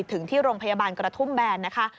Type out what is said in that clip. ถึงที่โรงพยาบาลกระทุ่มแบนนะคะ